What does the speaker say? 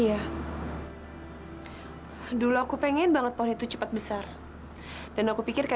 aku mau ke sana